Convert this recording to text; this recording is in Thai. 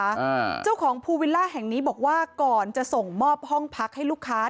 อ่าเจ้าของภูวิลล่าแห่งนี้บอกว่าก่อนจะส่งมอบห้องพักให้ลูกค้า